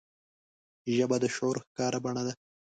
ژبه د شعور ښکاره بڼه ده